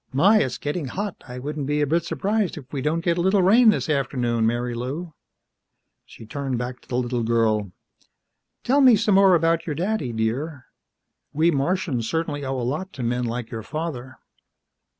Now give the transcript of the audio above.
"My, it's getting hot. I wouldn't be a bit surprised if we didn't get a little rain this afternoon, Marilou." She turned back to the little girl. "Tell me some more about your daddy, dear. We Martians certainly owe a lot to men like your father."